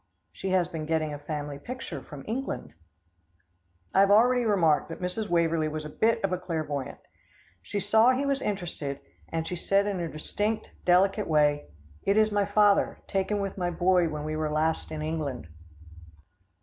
she has been getting a family picture from England." I have already remarked that Mrs. Waverlee was a bit of a clairvoyante. She saw he was interested, and she said in her distinct, delicate way, "It is my father, taken with my boy when we were last in England."